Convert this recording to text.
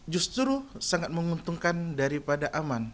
justru sangat menguntungkan daripada aman